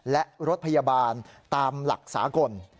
และรถพยาบาลตามหลักสากล